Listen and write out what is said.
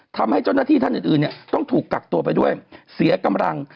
ทำให้เจ้าหน้าที่ท่านอื่นเนี่ยต้องถูกกักตัวไปด้วยเสียกำลัง